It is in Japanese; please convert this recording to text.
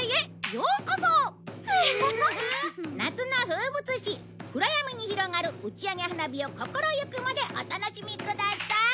夏の風物詩暗闇に広がる打ち上げ花火を心ゆくまでお楽しみください。